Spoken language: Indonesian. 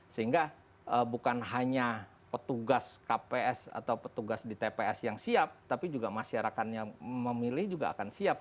sehingga bukan hanya petugas kps atau petugas di tps yang siap tapi juga masyarakatnya memilih juga akan siap